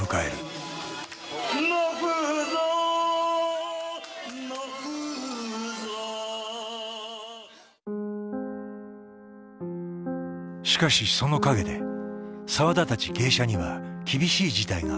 しかしその陰で澤田たち芸者には厳しい事態が起きていた。